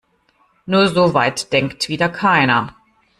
Nur so weit denkt wieder keiner.